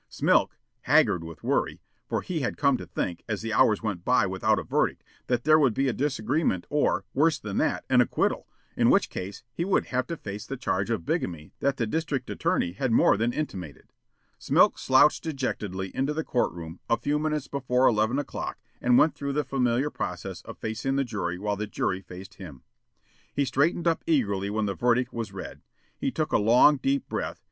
Smilk, haggard with worry, for he had come to think, as the hours went by without a verdict, that there would be a disagreement or, worse than that, an acquittal, in which case he would have to face the charge of bigamy that the district attorney had more than intimated, Smilk slouched dejectedly into the court room a few minutes before eleven o'clock and went through the familiar process of facing the jury while the jury faced him. He straightened up eagerly when the verdict was read. He took a long, deep breath.